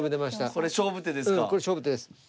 これ勝負手です。